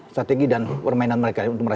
strategi dan permainan mereka